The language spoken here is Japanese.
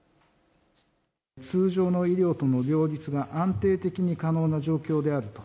通常の医療との両立が安定的に可能な状況であると。